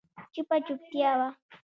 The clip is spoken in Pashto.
چوپه چوپتیا وه.